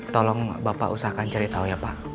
tolong bapak usahakan cari tahu ya pak